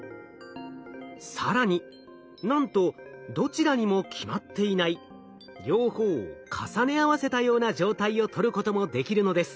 更になんとどちらにも決まっていない両方を重ね合わせたような状態をとることもできるのです。